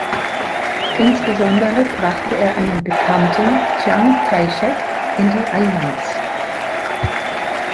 Insbesondere brachte er einen Bekannten, Chiang Kai-shek, in die Allianz.